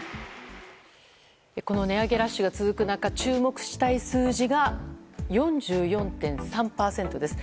この値上げラッシュが続く中注目したい数字が４４．３％です。